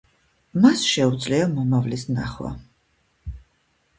მას შეუძლია მომავლის ნახვა.